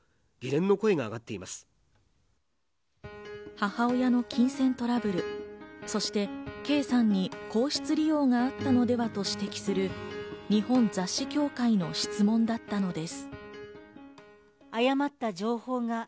母親の金銭トラブル、そして圭さんに皇室利用があったのではと指摘する日本雑誌協会の質問だったのです。